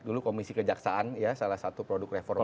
dulu komisi kejaksaan ya salah satu produk reformasi